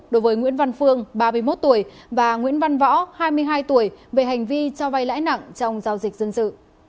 đối với nguyễn văn phương ba mươi một tuổi và nguyễn văn võ hai mươi hai tuổi về hành vi cho vay lãi nặng trong giao dịch dân sự